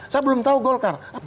saya belum tahu golkar